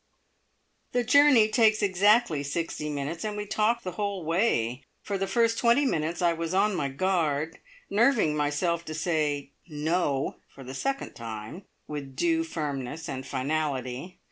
The journey takes exactly sixty minutes, and we talked the whole way. For the first twenty minutes I was on my guard, nerving myself to say "No" for the second time, with due firmness and finality.